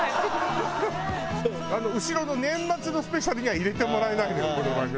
後ろの年末のスペシャルには入れてもらえないのよこの番組。